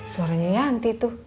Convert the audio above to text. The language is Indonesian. suaranya yanti tuh